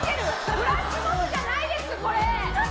フラッシュモブじゃないです、これ。